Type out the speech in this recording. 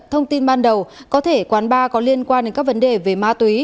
thông tin ban đầu có thể quán bar có liên quan đến các vấn đề về ma túy